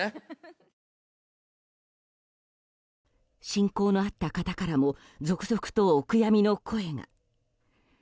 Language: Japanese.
親交のあった方からも続々とお悔やみの声が。